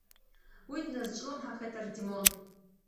Уи дназҿлымҳахеит Ардимон.